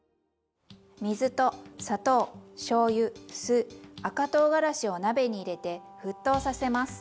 水と砂糖しょうゆ酢赤とうがらしを鍋に入れて沸騰させます。